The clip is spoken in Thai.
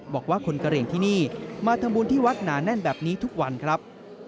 บอกว่าคนกระเหลี่ยงที่นี่มาทำบุญที่วัดหนาแน่นแบบนี้ทุกวันครับ